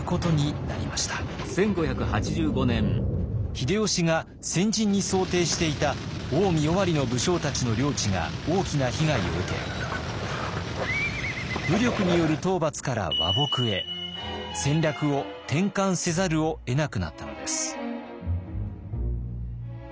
秀吉が先陣に想定していた近江・尾張の武将たちの領地が大きな被害を受け武力による討伐から和睦へ戦略を転換せざるを得なくなったのです。